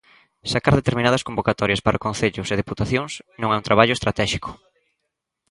Sacar determinadas convocatorias para concellos e deputacións non é un traballo estratéxico.